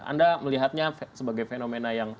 anda melihatnya sebagai fenomena yang